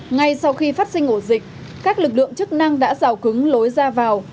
ngay sau khi phát sinh ổ dịch các lực lượng chức năng đã rào cứng lối ra vào